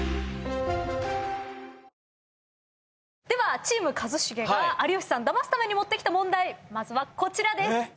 ではチーム一茂は有吉さんダマすために持ってきた問題まずはこちらです。